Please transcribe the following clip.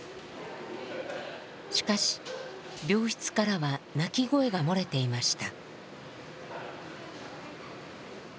しかし病室からは泣き声が漏れていました。